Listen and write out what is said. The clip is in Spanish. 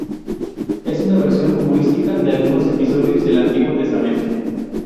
Es una versión humorística de algunos episodios del Antiguo Testamento.